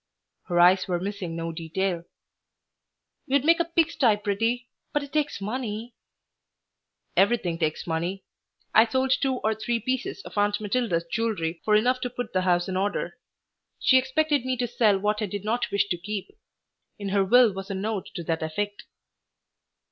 Her eyes were missing no detail. "You'd make a pig sty pretty, but it takes money " "Everything takes money. I sold two or three pieces of Aunt Matilda's jewelry for enough to put the house in order. She expected me to sell what I did not wish to keep. In her will was a note to that effect."